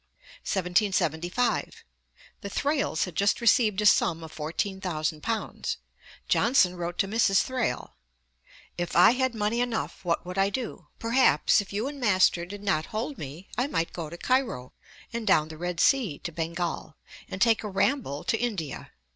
Ante, iv. 68. 1775. The Thrales had just received a sum of £14,000. Johnson wrote to Mrs. Thrale: 'If I had money enough, what would I do? Perhaps, if you and master did not hold me, I might go to Cairo, and down the Red Sea to Bengal, and take a ramble to India.